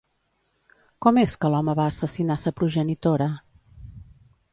Com és que l'home va assassinar sa progenitora?